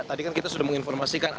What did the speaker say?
tadi kan kita sudah menginformasikan